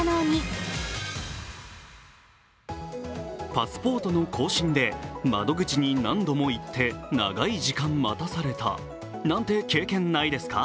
パスポートの更新で窓口に何度も行って長い時間待たされたなんて経験、ないですか？